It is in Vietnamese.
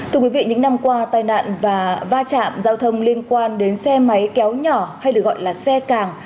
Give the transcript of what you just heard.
thưa quý vị những năm qua tai nạn và va chạm giao thông liên quan đến xe máy kéo nhỏ hay được gọi là xe càng